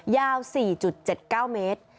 ยาว๔๗๙เมตร